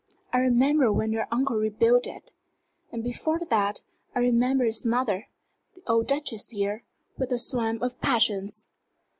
"I remember when your uncle rebuilt it. And before that, I remember his mother, the old Duchess here, with her swarm of parsons.